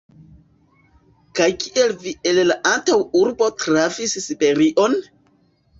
Kaj kiel vi el la antaŭurbo trafis Siberion?